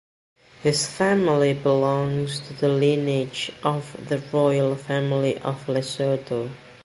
His family belongs to the lineage of the royal family of Lesotho.